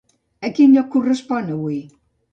A quin lloc correspon avui?